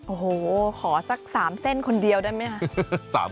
โอ้โหขอสัก๓เส้นคนเดียวได้ไหมคะ